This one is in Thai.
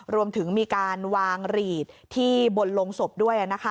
รวมถึงมีการวางหลีดที่บนลงศพด้วย